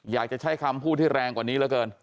อยากจะใช้คำพูดที่แรงกว่านี้เหลือเกิน